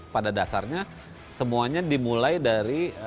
pada dasarnya semuanya dimulai dari